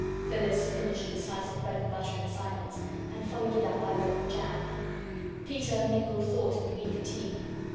Phyllis finished the slice of bread and butter in silence, and followed it up by bread and jam. Peter mingled thought and weak tea.